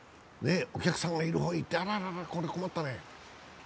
お客さんがいる方にいって、あららら、これ困ったね。